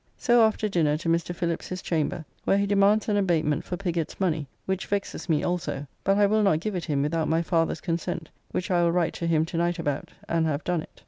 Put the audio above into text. So after dinner to Mr. Phillips his chamber, where he demands an abatement for Piggott's money, which vexes me also, but I will not give it him without my father's consent, which I will write to him to night about, and have done it.